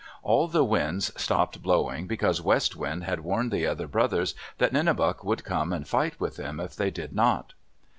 All the winds stopped blowing, because West Wind had warned the other brothers that Nenebuc would come and fight with them if they did not.